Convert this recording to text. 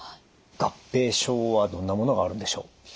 合併症はどんなものがあるんでしょう？